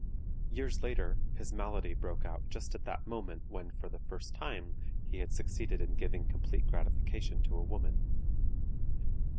Years later his malady broke out just at that moment when for the first time he had succeeded in giving complete gratification to a woman.